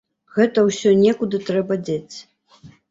Гэта ўсё некуды трэба дзець.